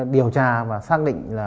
điều tra và xác định